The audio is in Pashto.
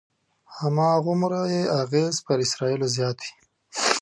هماغومره یې اغېز پر اسرایلو زیات وي.